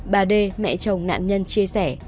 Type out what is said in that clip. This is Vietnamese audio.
bà d mẹ chồng nạn nhân chia sẻ